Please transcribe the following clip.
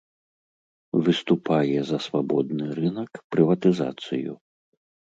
Выступае за свабодны рынак, прыватызацыю.